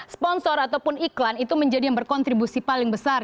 sponsor ataupun iklan itu menjadi yang berkontribusi paling besar